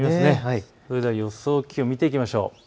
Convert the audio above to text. それでは予想気温を見ていきましょう。